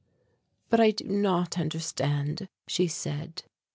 "But I do not understand," she said.